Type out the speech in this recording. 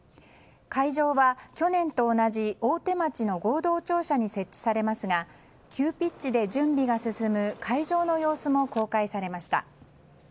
会場は去年と同じ大手町の合同庁舎に設置されますが急ピッチで準備が進む会場の様子も公開されました。